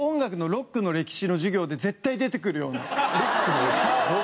「ロックの歴史」。